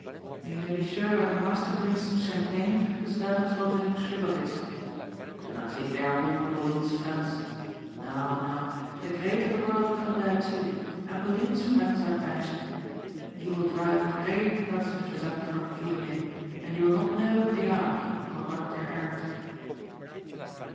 You may be sure when the master drinks champagne the servants will drink shlivovitza. But do not think they are all Pauline's friends. No. No. The great of the world come there too and Pauline's friends are banished. You will drive great personages up from Fiume and you will not know who they are or what their errand."